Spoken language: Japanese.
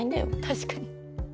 確かに。